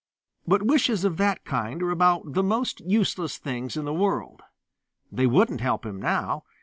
But wishes of that kind are about the most useless things in the world. They wouldn't help him now.